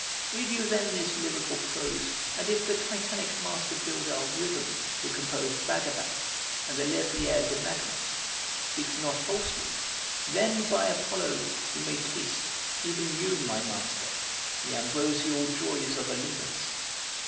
Read you then this lyrical prose, and, if the Titanic master builder of rhythm who composed Bhagavat and the Lévrier de Magnus speaks not falsely, then, by Apollo, you may taste, even you, my master, the ambrosial joys of Olympus."